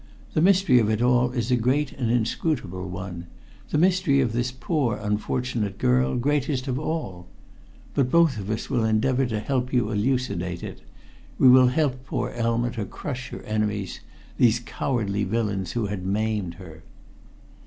The mystery of it all is a great and inscrutable one the mystery of this poor unfortunate girl, greatest of all. But both of us will endeavor to help you to elucidate it; we will help poor Elma to crush her enemies these cowardly villains who had maimed her."